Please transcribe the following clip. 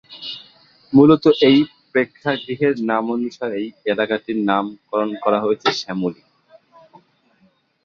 মূলত এই প্রেক্ষাগৃহের নামানুসারেই এলাকাটির নামকরণ করা হয়েছে "শ্যামলী"।